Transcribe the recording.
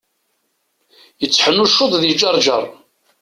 Yetteḥnuccuḍ di Ǧerǧer.